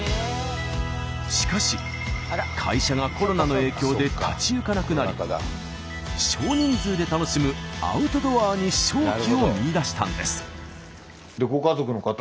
しかし会社がコロナの影響で立ち行かなくなり少人数で楽しむアウトドアに商機を見いだしたんです。